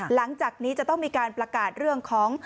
หลังจากนี้จะต้องมีการประกาศเรื่องของ